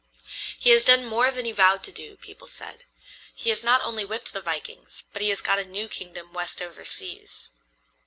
"He has done more than he vowed to do," people said. "He has not only whipped the vikings, but he has got a new kingdom west over seas."